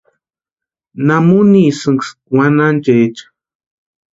¿Namunisïnksï wanhanchecha?